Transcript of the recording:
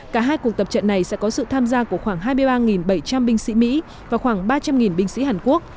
cả hai cuộc tập trận này sẽ có sự tham gia của khoảng hai mươi ba bảy trăm linh binh sĩ mỹ và khoảng ba trăm linh binh sĩ hàn quốc